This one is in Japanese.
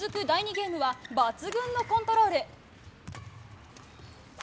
ゲームは抜群のコントロール。